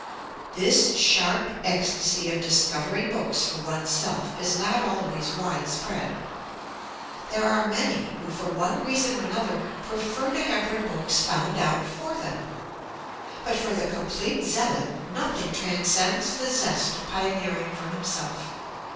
This sharp ecstasy of discovering books for one's self is not always widespread. There are many who, for one reason or another, prefer to have their books found out for them. But for the complete zealot nothing transcends the zest of pioneering for himself.